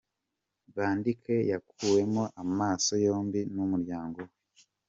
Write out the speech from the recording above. Baqi yakuwemo amaso yombi n’umuryango we.